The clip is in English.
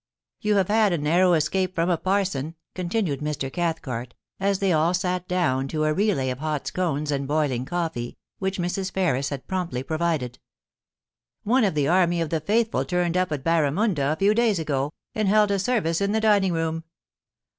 You have had a narrow escape from a parson,* continued Mr. Cathcart, as they all sat down to a relay of hot scones and boiling coffee, which Mrs. Ferris had promptly provided. * One of the army of the faithful turned up at Barramunda a few days ago, and held a service in the dining room.